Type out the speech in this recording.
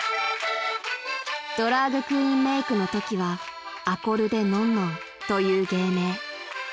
［ドラァグクイーンメイクのときはアコる・デ・ノンノンという芸名］